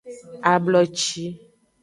Abloci.